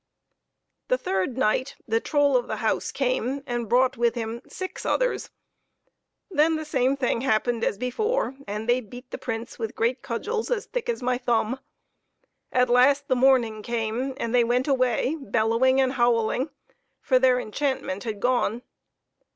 The third night the troll of the house came, and brought with him six others. Then the same thing happened as before, and they beat the Prince with great cudgels as thick as my thumb. At last the morning came, and they went away bellowing and howling, for their enchantment had gone.